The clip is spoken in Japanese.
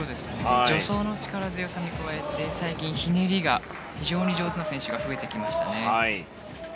助走の力強さに加えて最近ひねりが非常に上手な選手が増えてきましたね。